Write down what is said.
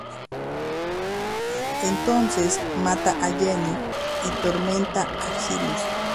Entonces mata a Jenny, y tormenta a Giles.